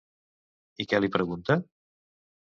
I què li pregunta?